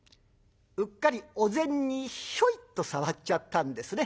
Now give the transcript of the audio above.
うっかりお膳にひょいと触っちゃったんですね。